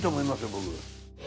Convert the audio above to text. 僕。